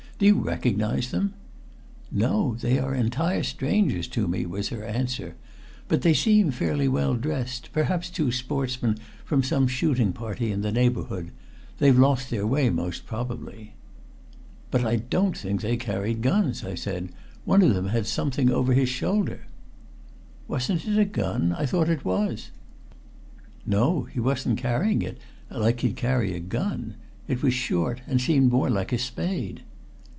"Do you recognize them?" "No. They are entire strangers to me," was her answer. "But they seem fairly well dressed. Perhaps two sportsmen from some shooting party in the neighborhood. They've lost their way most probably." "But I don't think they carried guns," I said. "One of them had something over his shoulder?" "Wasn't it a gun? I thought it was." "No, he wasn't carrying it like he'd carry a gun. It was short and seemed more like a spade."